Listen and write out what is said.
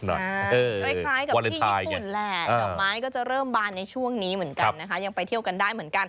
คล้ายกับที่ญี่ปุ่นแหละดอกไม้ก็จะเริ่มบานในช่วงนี้เหมือนกันนะคะยังไปเที่ยวกันได้เหมือนกัน